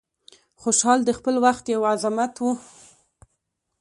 خوشحال د خپل وخت یو عظمت و.